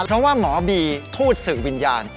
เพราะว่าหมอบีทูตสื่อวิญญาณ